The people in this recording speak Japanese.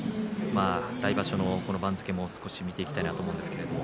来場所の番付を見ていきたいと思います。